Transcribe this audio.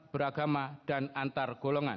beragama dan antargolongan